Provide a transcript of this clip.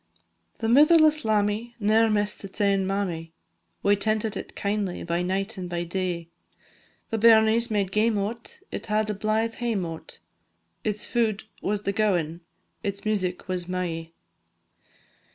The mitherless lammie ne'er miss'd its ain mammie, We tentit it kindly by night and by day, The bairnies made game o't, it had a blithe hame o't, Its food was the gowan its music was "mai."